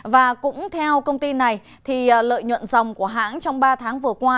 và cũng theo công ty này lợi nhuận dòng của hãng trong ba tháng vừa qua